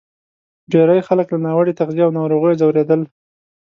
ډېری خلک له ناوړه تغذیې او ناروغیو ځورېدل.